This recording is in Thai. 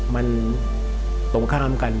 มันตรงข้ามกัน